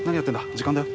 時間だよ。